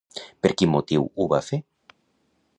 Per quin motiu ho va fer?